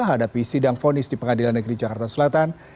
hadapi sidang fonis di pengadilan negeri jakarta selatan